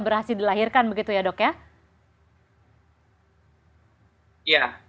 berhasil dilahirkan begitu ya dok ya